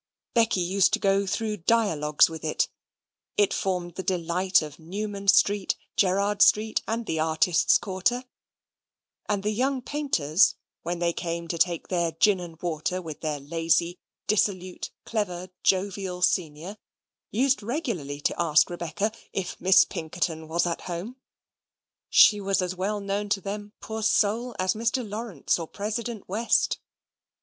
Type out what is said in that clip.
Becky used to go through dialogues with it; it formed the delight of Newman Street, Gerrard Street, and the Artists' quarter: and the young painters, when they came to take their gin and water with their lazy, dissolute, clever, jovial senior, used regularly to ask Rebecca if Miss Pinkerton was at home: she was as well known to them, poor soul! as Mr. Lawrence or President West.